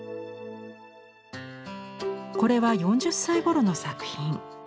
これは４０歳頃の作品。